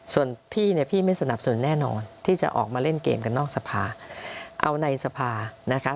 ส่วนพี่เนี่ยพี่ไม่สนับสนุนแน่นอนที่จะออกมาเล่นเกมกันนอกสภาเอาในสภานะคะ